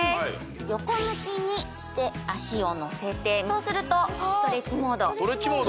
横向きにして足をのせてそうするとストレッチモードストレッチモード？